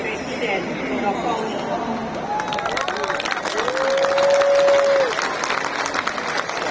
kecintaannya tidak akan layaknya warangnya kepada anaknya